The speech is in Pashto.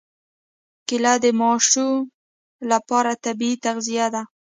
کېله د ماشو لپاره طبیعي تغذیه ده.